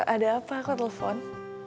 ada apa kok telpon